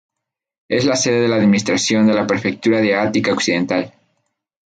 Es la sede de la administración de la prefectura de Ática occidental.